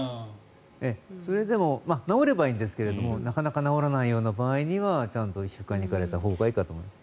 それでも、治ればいいんですがなかなか治らないような場合にはちゃんと皮膚科に行かれたほうがいいと思います。